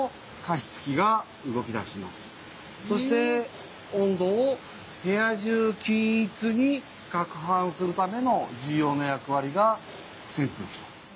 そして温度を部屋中均一にかくはんするための重要な役わりがせんぷうきと。